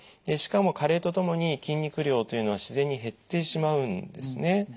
しかも加齢とともに筋肉量というのは自然に減ってしまうんですね。